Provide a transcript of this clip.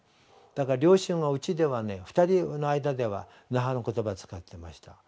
だから両親はうちでは２人の間では那覇の言葉使ってました。